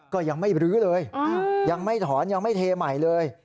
ก็ยังไม่รื้อเลยยังไม่ถอนยังไม่เทใหม่เลย